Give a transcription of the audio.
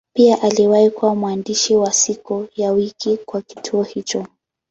Pia aliwahi kuwa mwandishi wa siku ya wiki kwa kituo hicho.